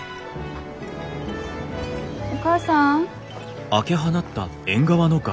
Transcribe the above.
お母さん？